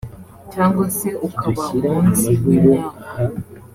cyangwa se ukaba umunsi w’imyaku